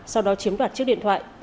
sau đó chiếm đoạt chiếc điện thoại